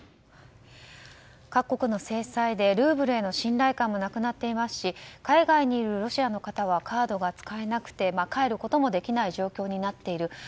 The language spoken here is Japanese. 各国の制裁でルーブルの信頼感もなくなっていますし海外にいるロシアの方々はカードが使えなくて帰ることもできない状況になっている。